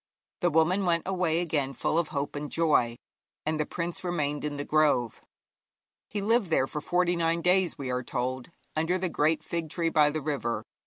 The woman went away again full of hope and joy, and the prince remained in the grove. He lived there for forty nine days, we are told, under the great fig tree by the river.